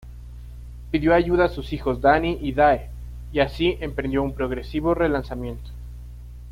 Pidió ayuda a sus hijos Danny y Dae, y así emprendió un progresivo relanzamiento.